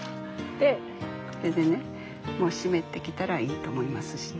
これでねもう湿ってきたらいいと思いますしね。